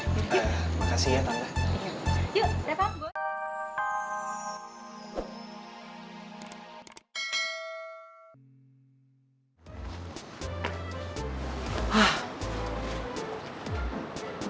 terima kasih ya tante